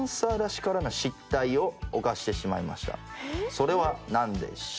それは何でしょう？